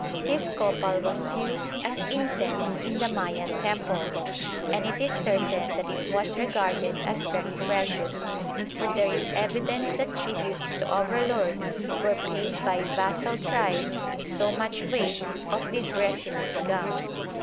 This copal was used as incense in the Mayan temples, and it is certain that it was regarded as very precious, for there is evidence that tributes to overlords were paid by vassal tribes in so much weight of this resinous gum.